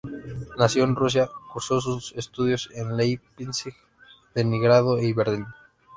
Nació en Rusia, cursó sus estudios en Leipzig, Leningrado y Berlín.